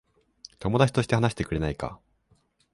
友達として話してくれないか。